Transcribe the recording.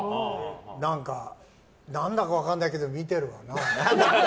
何か、何だか分からないけど見てるわな。